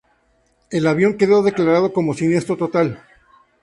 El avión quedó declarado como siniestro total.